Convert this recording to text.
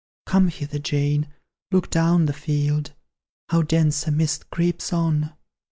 "Come hither, Jane, look down the field; How dense a mist creeps on!